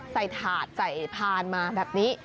ถาดใส่พานมาแบบนี้